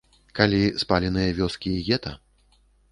Калі, спаленыя вёскі і гета?